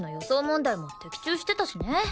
問題も的中してたしね。